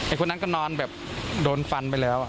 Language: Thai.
คนนั้นก็นอนแบบโดนฟันไปแล้ว